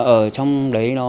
ở trong đấy